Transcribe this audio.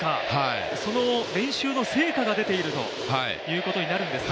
練習の成果が出ているということになるんですね。